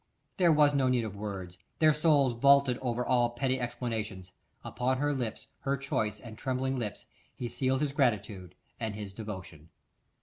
There was no need of words, their souls vaulted over all petty explanations; upon her lips, her choice and trembling lips, he sealed his gratitude and his devotion.